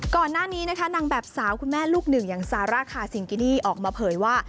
ก่อนหน้านี้นะคะนางแบบสาวคุณแม่ลูกหนึ่งอย่างซาร่าคาซิงกินี่ออกมาเผยว่า